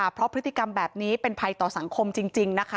เพราะพฤติกรรมแบบนี้เป็นภัยต่อสังคมจริงนะคะ